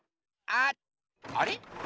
あっあれ？